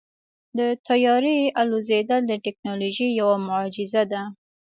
د طیارې الوزېدل د تیکنالوژۍ یوه معجزه ده.